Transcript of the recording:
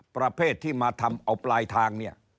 ประเภทที่มาทำเอาปลายทางเนี่ย